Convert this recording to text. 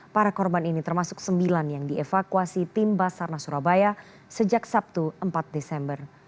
para korban ini termasuk sembilan yang dievakuasi tim basarnas surabaya sejak sabtu empat desember